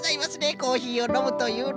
コーヒーをのむというのは。